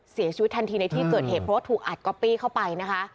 เสียชีวิตทันทีในที่เกิดเหตุเพราะว่าถูกอัดก๊อปปี้เข้าไปนะคะ